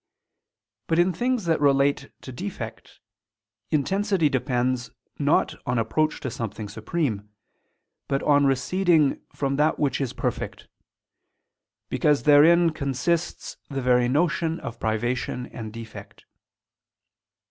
But in things that relate to defect, intensity depends, not on approach to something supreme, but [o]n receding from that which is perfect; because therein consists the very notion of privation and defect.